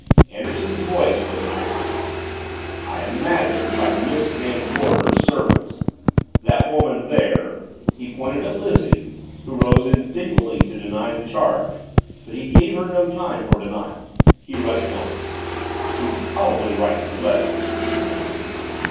Anderson's voice was an icicle. "I imagine by Miss Van Gorder's servants. By that woman there " he pointed at Lizzie, who rose indignantly to deny the charge. But he gave her no time for denial. He rushed on, " who probably writes the letters," he continued.